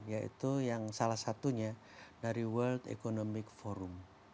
yaitu yang salah satunya dari world economic forum